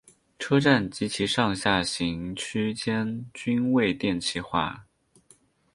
车站及其上下行区间均未电气化。